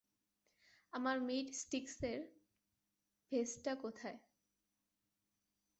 আমার মীট স্টিক্সের ভেস্টটা কোথায়?